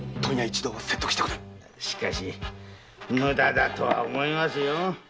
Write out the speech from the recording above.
しかし無駄だと思いますよ。